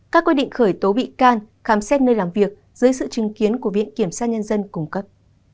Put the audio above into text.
các quy định khởi tố bị can khám xét nơi làm việc dưới sự chứng kiến của viện kiểm sát nhân dân cung cấp